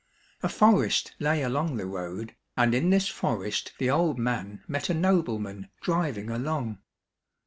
A forest lay along the road, and in this forest the old man met a noble man driving along.